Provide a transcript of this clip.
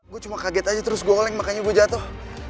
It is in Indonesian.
gue cuma kaget aja terus gue oleng makanya gue jatuh